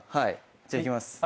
じゃあいきます。